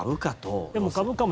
でも株価と。